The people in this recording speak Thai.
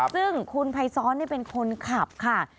ซึ่งคุณภัยซ้อนเป็นคนขับค่ะ